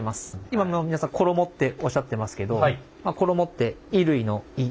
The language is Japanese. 今もう皆さん衣っておっしゃってますけど衣って衣類の衣。